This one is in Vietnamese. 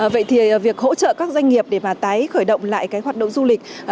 vậy thì việc hỗ trợ các doanh nghiệp để mà tái khởi động lại cái hoạt động du lịch